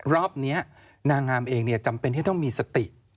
รอบนี้นางงามเองจำเป็นที่ต้องมีสติ